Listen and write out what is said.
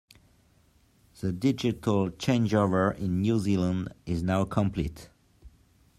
The digital changeover in New Zealand is now complete.